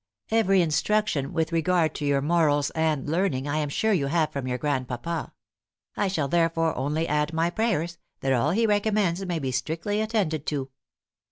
Every instruction with regard to your morals and learning I am sure you have from your grandpapa: I shall therefore only add my prayers that all he recommends may be strictly attended to."